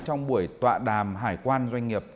trong buổi tọa đàm hải quan doanh nghiệp